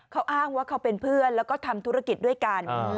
เขาอ้างว่าเขาเป็นเพื่อนแล้วก็ทำธุรกิจด้วยกัน